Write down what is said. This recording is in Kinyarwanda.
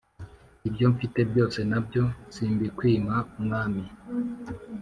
Ibyo mfite byose nabyo simbikwima mwami